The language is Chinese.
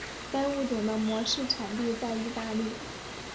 该物种的模式产地在意大利。